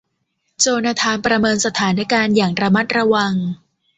โจนาธานประเมินสถานการณ์อย่างระมัดระวัง